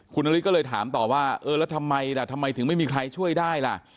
คุณนฤทธิก็เลยถามต่อว่าเออแล้วทำไมล่ะทำไมถึงไม่มีใครช่วยได้ล่ะ